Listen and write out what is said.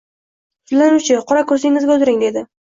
— Sudlanuvchi, qora kursingizga o‘tiring! — dedi.